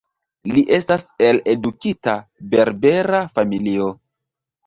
Li estas el edukita berbera familio.